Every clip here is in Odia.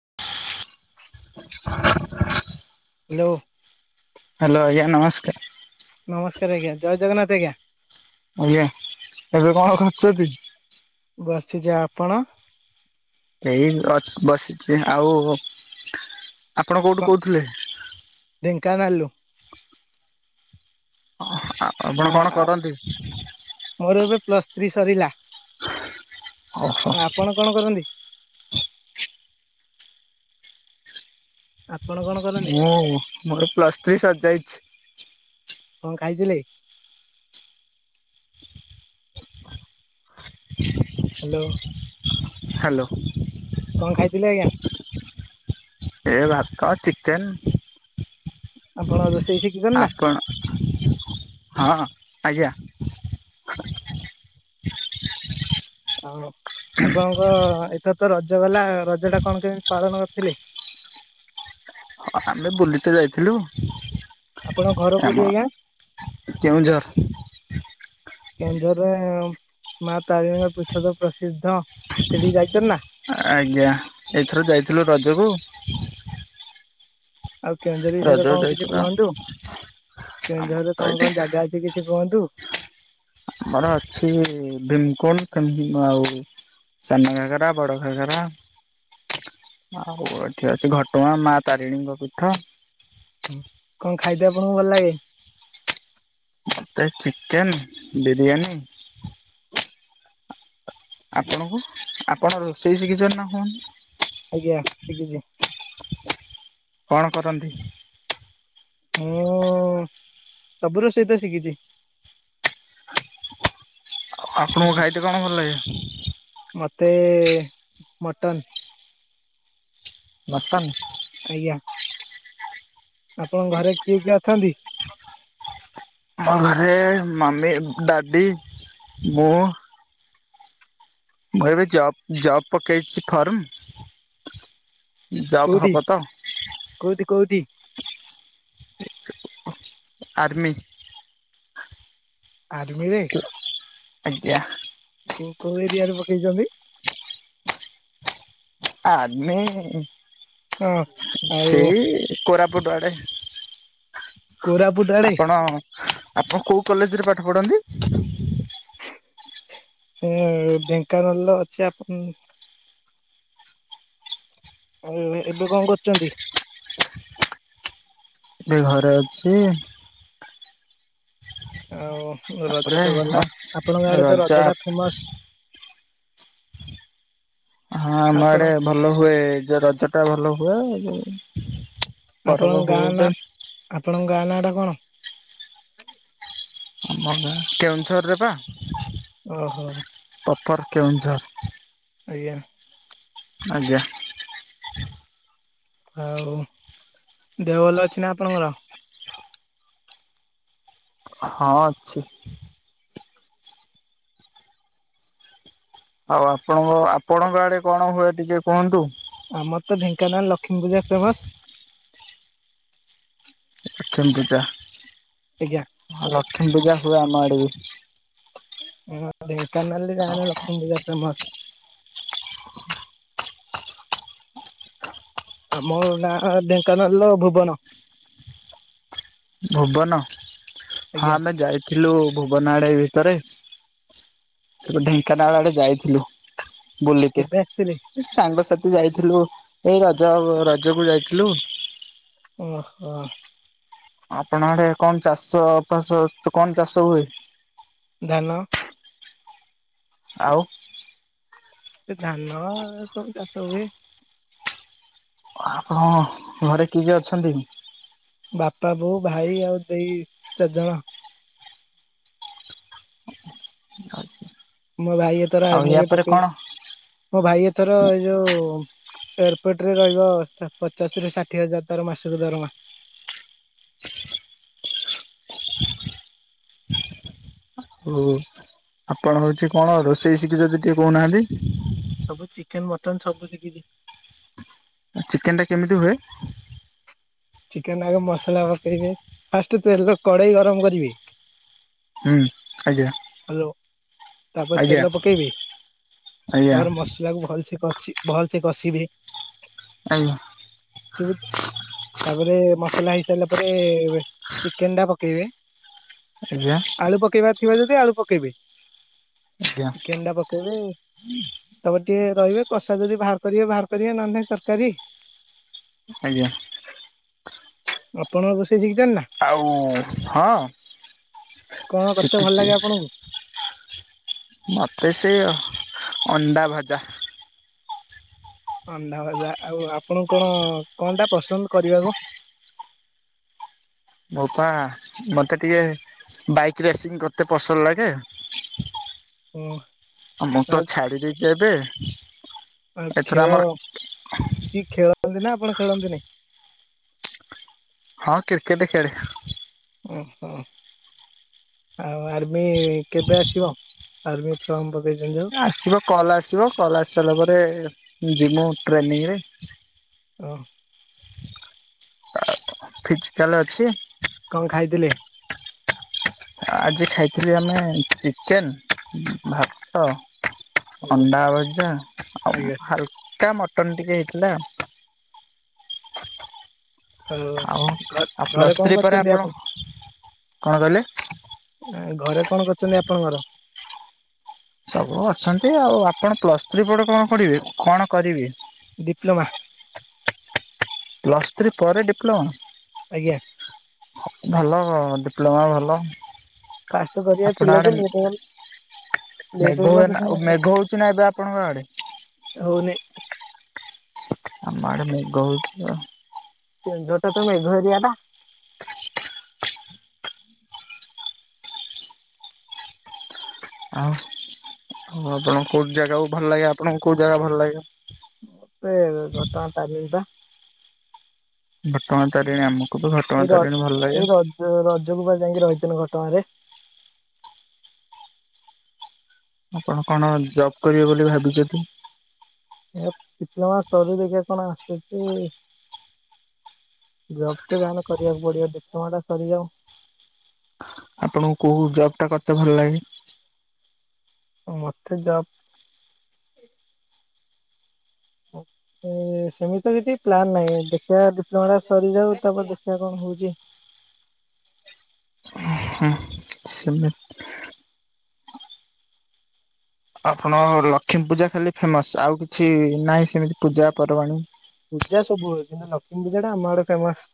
[inaudible] [inaudible] [unintelligible] ହାଲୋ ଆଜ୍ଞା ନମସ୍କାର। ନମସ୍କାର ଆଜ୍ଞା ଜୟ ଜଗନ୍ନାଥ ଆଜ୍ଞା। ଆଜ୍ଞା ଏବେ କଣ କରୁଛନ୍ତି। ବସିଚି ଆପଣ। ଏଇ ଗଛ ବସିଛି ଆଉ ଆପଣ କୋଉଠୁ କୋହୁଥୁଲେ। ଢେଙ୍କାନାଲରୁ। ଆପଣ କଣ କରନ୍ତି। ମୋରୋ ଏବେ ପ୍ଲସ୍ ଥ୍ରୀ ସରିଲା ଆପଣ କଣ କରନ୍ତି। ଆପଣ କଣ କରନ୍ତି ମୁଁ ମୋରୋ ପ୍ଲସ୍ ଥ୍ରୀ ସରିଯାଇଛି। କଁ ଖାଇଥିଲେ। ହାଲୋ। ହାଲୋ। କଁ ଖାଇଥିଲେ ଆଜ୍ଞା। ଏ ଭାତ ଚିକେନ୍। ଆପଣ ରୋଷେଇ ଶିକିଚନ୍ତିନା। ଆପଣ ହଁ ଆଜ୍ଞା। ଆଉ ଆପଣଙ୍କର ଏଥର ତ ରଜ ଗଲା ରଜ ଟା କଣ କେମିତି ପାଳନ କରିଥିଲେ। ହଁ ଆମେ ବୁଲିତ ଯାଇଥିଲୁ। ଆପଣଙ୍କ ଘର କୋଉଠି ଆମ ଆଜ୍ଞା କେଉଁଝର୍। କେଁଝରରେ ମା ତାରିଣୀ ଙ୍କ ପୀଠ ତ ପ୍ରସିଦ୍ଧ ସେଠିକି ଯାଇଛନ୍ତି ନା? ଆଜ୍ଞା ଏଇଥର ଯାଇଥିଲୁ ରଜକୁ ଆଉ କେଉଁଝର ବିଷୟରେ ରଜକୁ କଣ କିଛି ଯାଇଥିଲୁ କୁହନ୍ତୁ କେଉଁଝରରେ ତ କଣ ଏଠି କଣ ଜାଗା ଅଛି? କିଛି କୁହନ୍ତୁ? ଆମର ଅଛି ଭୀମକୁଣ୍ଡ ଆଉ ସାନ ଘାଗରା ବଡ ଘାଗରା। ଆଉ ଏଠି ଅଛି ଘଟଗାଁ ମା ତାରିଣୀଙ୍କ ପୀଠ। ହୁଁ କଣ ଖାଇଦ ଆପଣଙ୍କୁ ଭଲ ଲାଗେ? ମତେ ଚିକେନ ବିରିୟାନୀ। ଆପଣଙ୍କୁ ଆପଣ ରୋଷେଇ ଶିକଚନ ନା ହୁଅନ ଆଜ୍ଞା ଶିଖିଛି। କଣ କରନ୍ତି? ମୁଁ ସବୁୁ ରୋଷେଇ ତ ଶିଖିଛି। ଆ ଆପଣଙ୍କୁ ହଁ ଖାଇତ କଣ ଭଲ ଲାଗେ? ମତେ ଏ-ମଟନ୍। ମସନ୍। ଆଜ୍ଞା। ଆପଣଙ୍କ ଘରେ କିଏ କିଏ ଅଛନ୍ତି? ମୋ ଘରେ ମାମି ଡାଡ଼ି ମୁଁ ଭାଇ ଭାଇ ଜଵ ଜବ୍ ପକେଇଛି ଫାର୍ମ ଜବ୍ ହବ ତ? କୋଉଦି କୋଉଦି? ଆର୍ମି। ଆଦମିରେ? ଆଜ୍ଞା। କୋଉ କୋଉ ଏରିଆରେ ପକେଇଛନ୍ତି? ଆମି ହଁ ଆଉ ସେଇ କୋରପୁ ପୁଟ୍ ଆଡେ। କୋରାପୁଟ ଆଡେ। ଆପଣ ଆପଣ କୋଉ କଲେଜରେ ପାଠ ପଢନ୍ତି? ଢେଙ୍କାନାଳ ଅଛି ଆପଣ ଆଉ ଏବେ କଣ କରୁଛନ୍ତି? ଏ ଘରେ ଅଛି। ଆଉ ରଜ ତାପରେ ତ ଗଲା ଆପଣଙ୍କ ଆଡେ ତ ରଜ ଟା ଫେମସ। ହଁ ଆମ ଆପଣ ଆଡେ ଭଲ ହୁଏ ଯଉ ରଜ ଟା ଭଲ ହୁଏ ଆଉ ଯୋ ଆପଣଙ୍କ ଗାଁ ନାଁ ଆପଣଙ୍କ ଗାଁ ନାଁ ଟା କଣ? ଆମ ଗାଁ କେଉଁଝର ରେ ପା। ଓହୋ। ପପର କେଉଁଁଝର। ଆଜ୍ଞା। ଆଜ୍ଞା। ଆଉ ଦେହ ଭଲ ଅଛି ନା ଆପଣଙ୍କର? ହଁ ଅଛି। ଆଉ ଆପଣଙ୍କ ଆପଣଙ୍କ ଆଡେ କଣ ହୁଏ ଟିକେ କୁହନ୍ତୁ? ଆମର ତ ଢେଙ୍କାନାଳ ଲକ୍ଷ୍ମୀ ପୂଜା ଫେମସ। ଅକ୍ଷମ ପୂଜା। ଆଜ୍ଞା। ଲକ୍ଷ୍ମୀ ପୂଜା ହୁଏ ଆମ ଆଡେ ବି। ହଁ ଢେଙ୍କାନାଳ ଜଣା ଯେ ଲକ୍ଷ୍ମୀ ପୂଜା ଫେମସ। ଆମୋ ଗାଁ ଢେଙ୍କାନାଳ ର ଭୁବନ। ସବନ ହଁ ଆଜ୍ଞା ଆମେ ଯାଇ ଥିଲୁ ଭୁବନ ଆଡେ ଭିତରେ ସେଠୁ ଢେଙ୍କାନାଳ ଆଡେ ଯାଇଥିଲୁ। ବୁଲିତେ। କେବେ ଆସିଥିଲେ ସାଙ୍ଗସାଥି ଯାଇଥିଲୁ ଏଇ ରଜ ରଜକୁୁ ଯାଇଥିଲୁ। ଓହୋ। ଆପଣ ଆଡେ କଣ ଚାଷ ଫାସ ସ- କଣ ଚାଷ ହୁଏ। ଧାନ ଆଉ ସେ ଧାନ ସବୁ ଚାଷ ହୁଏ। ଆପଣ ଘରେ କିଏ କିଏ ଅଛନ୍ତି? ବାପା, ବୋଉ, ଭାଇ ଆଉ ଦେଇ ଚାରିଜଣ। [unintelligible] ମୋ ଭାଇ ଏଥର ଆଉ ୟା ଆର୍ମିରେ ପରେ ପକେଇ, କଣ? ମୋ ଭାଇ ଏଥର ଏଇ ଯୋଉ ଏୟାରପୋର୍ଟ ରେ ରହିବ ସ-ପଚାଶରୁ ଷାଠିଏ ହଜାର ତାର ମାସକୁ ଦରମା। ଓ ଆପଣ ହଉଛି କଣ ରୋଷେଇ ଶିକିଚନ୍ତି ଟିକେ କହୁନାହାନ୍ତି? ସବୁ ଚିକେନ୍ ମଟନ୍ ସବୁ ଶିକିଚି। ଏ ଚିକେନ୍ ଟା କେମିତି ହୁଏ? ଚିକେନ୍ ଆଗ ମସଲା ପକେଇବେ। ଫାଷ୍ଟ ତେଲ କଡେଇ ଗରମ କରିବେ। ହୁଁ, ଆଜ୍ଞା, ହ୍ୟାଲୋ ତାପରେ ତେଲ ଆଜ୍ଞା। ଆଜ୍ଞା। ଯେ ତାକୁ ଭଲସେ କଷି ଭଲସେ କଷିବେ। ଆଜ୍ଞା। [unintelligible] ତାପରେ ମସଲା ହେଇସାରିଲା ପରେ ଚିକେନ୍ ଟା ପକେଇବେ। ଆଜ୍ଞା। ଆଳୁ ପକେଇବାର ଥିବା ଯଦି ଆଳୁ ପକେଇବେ, ଆଜ୍ଞା ଚିକେନ୍ ଟା ପକେଇବେ। ତାପରେ ଟିକେ ରହିବେ କଷା ଯଦି ବାହାର କରିବେ ବାହାର କରିବେ ନହେନେ ତରକାରୀ। ଆଜ୍ଞା। ଆପଣ ରୋଷେଇ ଶିକିଚନି ନା? ଆଉ ହଁ କଣ କରତେ ଭଲ ଶିକିଚି। ଲାଗେ ଆପଣଙ୍କୁ? ମୋତେ ସେ ଅଣ୍ଡା ଭଜା। ଅଣ୍ଡା ଭଜା, ଆଉ ଆପଣଙ୍କୁ କଣ କଣ ଟା ପସନ୍ଦ କରିବାକୁ? ମୋ ପା ମୋତେ ଟିକେ ବାଇକ୍ ରେସିଂ କରତେ ପସନ୍ଦ ଲାଗେ? ହୁଁ ଅ, ମୁଁ ତ ଆଉ ଛାଡି ଦେଇଚି ଏବେ। ଆଉ ଏଥର ଖେଳ ଆମର କି ଖେଳନ୍ତି ନା ଆପଣ ଖେଳନ୍ତିନି? ହଁ କ୍ରିକେଟ୍ ଖେଳେ। ଓ ହୋ। ଆଉ ଆର୍ମି କେବେ ଆସିବ ଆର୍ମି ଫର୍ମ ପକେଇଚନ୍ତି ଯୋଉ? ଏ ଆସିବ କଲ୍ ଆସିବ କଲ୍ ଆସି ସାରିଲା ପରେ ଯିମୁ ଟ୍ରେନିଂ ରେ। ଓ। ଫିଜିକାଲ ଅଛି। କଣ ଖାଇଥିଲେ? ଆଜି ଖାଇଥିଲି ଆମେ ଚିକେନ୍, ଭାତ ଆଜ୍ଞା ଅଣ୍ଡା ଭଜା, ଆଉ ଆଜ୍ଞା। ହାଲକା ମଟନ୍ ଟିକେ ହେଇଥିଲା। ଆଉ ଘ ଆଉ ଘରେ ପ୍ଲସ୍ କଣ ଥ୍ରୀ ପରେ କରୁଛନ୍ତି ଆପଣ, କଣ କହିଲେ? ନା ଘରେ କଣ କରଛନ୍ତି ଆପଣଙ୍କର? ସବୁ ଅଛନ୍ତି ଆଉ, ଆପଣ ପ୍ଲସ୍ ଥ୍ରୀ ପଡେ କଣ ପଢିବେ? କଣ କରିବେ? ଡିପ୍ଲୋମା। ପ୍ଲସ୍ ଥ୍ରୀ ପରେ ଡିପ୍ଲୋମା। ଆଜ୍ଞା। ଭଲ ଡିପ୍ଲୋମା ଭଲ। ଫାଷ୍ଟ କରିବା ଆପଣ ଥିଲା ଆଡେ ଯେ ଲେଟ ଭାରି। ମେଘ [unintelligible] ମେଘ ହଉଛି ନା ଏବେ ଆପଣଙ୍କ ଆଡେ? ହଉନି। ଆମ ଆଡ଼େ ମେଘ ହେଉଚି ଆଉ। କେଉଁଝର ଟା ତ ମେଘ ଏରିଆ ଟା। ଆଉ ଆଉ ଆପଣଙ୍କୁ କୋଉଁ ଜାଗାକୁ ଭଲ ଲାଗେ ଆପଣଙ୍କୁ କୋଉଁ ଜାଗା ଭଲ ଲାଗେ? ମତେ ଘଟଗାଁ ତାରିଣୀ ବା। ଘଟଗାଁ ତାରିଣୀ ଆମେ ଏଇ ର ଏଇ ରଜ ରଜ କୁ ବା ଯାଇକି ରହିଥିଲି ଘଟଗାଁ ରେ। ଆପଣ କଣ ଯବ କରିବେ ବୋଲି ଭାବିଛନ୍ତି? ଡିପ୍ଲୋମା ସରିଲେ ତ କଣ ଷ୍ଟେପ ଜବ୍ ତ ଯାହା ହେଲେ କରିବାକୁ ପଡିବ ଡିପ୍ଲୋମା ଟା ସରିଯାଉ। ଆପଣଙ୍କୁ କୋଉଁ ଜବ୍ ଟା କର୍ତେ ଭଲ ଲାଗେ? ମୋତେ ଯବ୍ ଏ ସେମିତି କିଛି ପ୍ଲନ୍ ନାହିଁ ଦେଖିବା ଡିପ୍ଲୋମା ଟା ସରିଯାଉ ତାପରେ ଦେଖିବା କଣ ହଉଛି। ସେମିତି ଆପଣ ଲକ୍ଷ୍ମୀ ପୂଜା ଖାଲି ଫେମସ ଆଉ କିଛି ନାହିଁ ସେମିତି ପୂଜା ପର୍ବାଣୀ? ପୂଜା ସବୁ ହୁ କିନ୍ତ ଲଷ୍ମୀ ପୂଜା ଟା ଆମ ଆଡ଼େ ଫେମସ।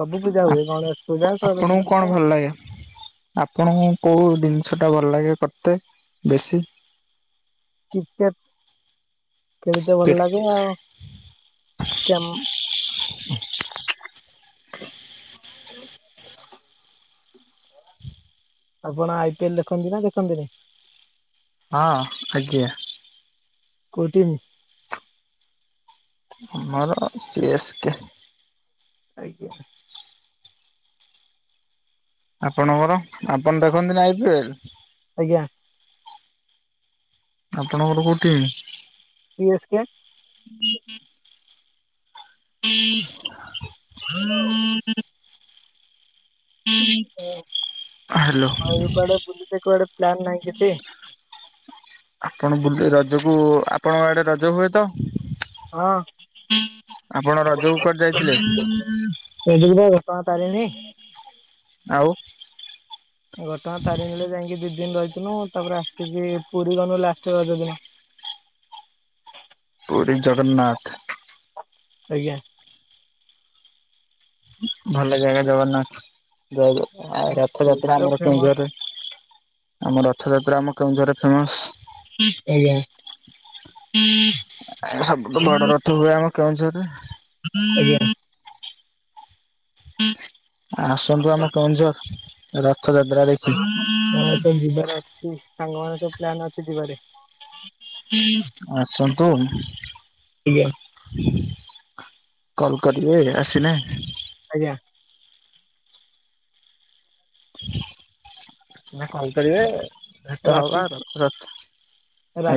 ସବୁ ପୂଜା ହୁଏ ଗଣେଶ ପୂଜା ଆପଣଙ୍କୁ ସରସ୍ଵତୀ କଣ ପୂଜା। ଭଲ ଲାଗେ? ଆପଣଙ୍କୁ କୋଉଁ ଜିନିଷ ଟା ଭଲ ଲାଗେ କରତେ ବେଶୀ? କିକେଟ ଖେଳିତେ ଭଲ ଲାଗେ ଆଉ କେ ଆପଣ ଆଇ ପିଏଲ ଦେଖନ୍ତି ନା ଦେଖନ୍ତିନି? ହଁ ଆଜ୍ଞା। କୋଉଁ ଟିମ? ମୋର ସି ଏସ୍ କେ। ଆଜ୍ଞା। ଆପଣଙ୍କର ଆପଣ ଦେଖନ୍ତି ନା ଆଇ ପି ଏଲ? ଆଜ୍ଞା। ଆପଣଙ୍କର କୋଉଁ ଟିମ? C S K. ହଁ ହ୍ୟାଲୋ। ଆଉ କୁଆଡେ ବୁଲି କୁଆଡେ ପ୍ଲାନ ନାହିଁ କିଛି? ଆପଣ ବୁ ରଜକୁ ଆପଣଙ୍କ ଆଡ଼େ ରଜ ହୁଏ ତ? ହଁ। ଆପଣ ରଜ କୁ କୁଆଡ଼େ ଯାଇଥିଲେ। ରଜ କୁ ପା ଘଟଗାଁ ତାରେଣୀ। ଆଉ ଘଟଣା ତାରିଣୀ ଯାଇକି ଦି ଦିନି ରହିଥିନୁ ତାପରେ ଆସିକି ପୁରୀ ଗନୁ ଲାଷ୍ଟରେ ରଜ ଦିନ। ପୁରୀ ଜଗନ୍ନାଥ। ଆଜ୍ଞା। ଭଲ ଜାଗା ଜଗନ୍ନାଥ ରଥ ପୁରୀ ଯାତ୍ରା ତ ଆମର ଫେମସ କେଉଁଝରରେ ଆମ ରଥଯାତ୍ରା ଆମ କେଉଁଝରେ ଫେମସ। ଆଜ୍ଞା। ସବୁଠୁ ବଡ଼ ରଥ ହୁଏ ଆମ କେଉଁଝରରେ। ଆଜ୍ଞା। ଆସନ୍ତୁ ଆମ କେନ୍ଦୁଝର ରଥଯାତ୍ରା ଦେଖି। ଏବେ ଯିବାର ଅଛି ସାଙ୍ଗ ମାନଙ୍କ ସବୁ ପ୍ଲାନ ଅଛି ଯିବାରେ। ଆସନ୍ତୁ। ଆଜ୍ଞା କଲ କରିବେ ଆସିଲେ। ଆଜ୍ଞା। ନା କଲ କରିବେ। ଭେଟ ହବା ରାତି ରଥ ଯାତ୍ରା,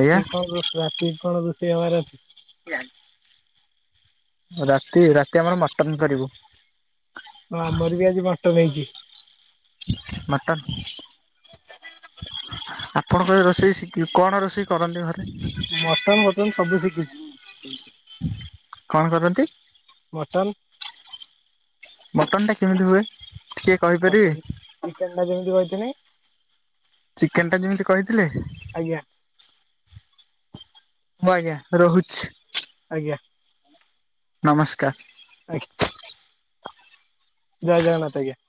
ଆଜ୍ଞା। କଣ ରୋ ରାତି କଣ ରୋଷେଇ ହବାର ଅଛି? [inaudible] ରାତି ରାତି ଆମର ମଟନ କରିବ। ହଁ। ଆମର ବି ଆଜି ମଟନ୍ ହେଇଛି। ମଟନ୍! ଆପଣଙ୍କ ଏ ରୋଷେଇ ଶିଖୀ କଣ ରୋଷେଇ କରନ୍ତି ଘରେ। ମଟନ ଫଟନ ସବୁ ଶିଖିଛି। କଣ କରନ୍ତି? ମଟନ୍। ମଟନ୍ ଟା କେମିତି ହୁଏ? ଟିକେ- କହିପାରିବେ ମଟନ, ଚିକେନ ଟା ଯେମିତି କହିଥିଲି। ଚିକେନ ଟା ଯେମିତି କହିଥିଲେ। ଆଜ୍ଞା। ମୁଁ ଆଜ୍ଞା ରହୁଛି। ଆଜ୍ଞା ନମସ୍କାର। ଆଜ୍ଞା। ଜୟ ଜଗନ୍ନାଥ ଆଜ୍ଞା।